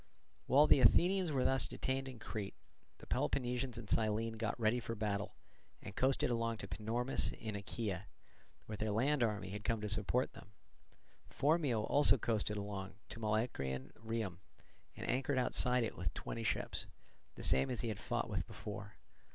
While the Athenians were thus detained in Crete, the Peloponnesians in Cyllene got ready for battle, and coasted along to Panormus in Achaea, where their land army had come to support them. Phormio also coasted along to Molycrian Rhium, and anchored outside it with twenty ships, the same as he had fought with before.